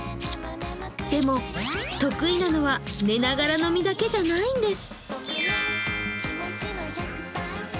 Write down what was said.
でも、得意なのは寝ながら飲みだけじゃないんです。